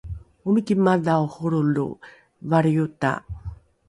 omiki madhao holrolo valriota